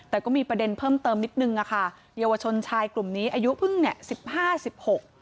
แต่ก็มีประเด็นเพิ่มเติมนิดนึงอ่ะค่ะเยาวชนชายกลุ่มนี้อายุเพิ่งเนี่ยสิบห้าสิบหก